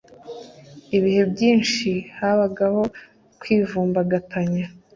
Ibihe byinshi habagaho kwivumbagatanya.